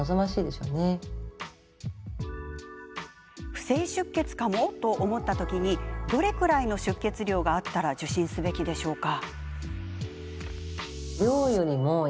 不正出血かも？と思った時にどれくらいの出血量があったら受診すべきでしょうか？